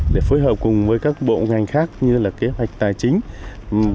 để phối hợp cùng với các bộ ngành khác như là kế hoạch tài chính và một số những cơ quan khoa học